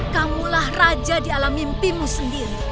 kamulah raja di alam mimpimu sendiri